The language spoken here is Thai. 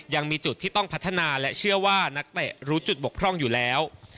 ยังมีจุดที่ต้องพัฒนาและเชื่อว่านักเตะรู้จุดบกพร่องอยู่แล้ว